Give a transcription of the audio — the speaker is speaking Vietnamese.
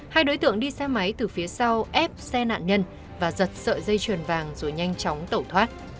hai đối tượng đi xe máy từ phía sau ép xe nạn nhân và giật sợi dây chuyền vàng rồi nhanh chóng tẩu thoát